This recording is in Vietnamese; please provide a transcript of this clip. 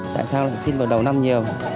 tại sao xin vào đầu năm nhiều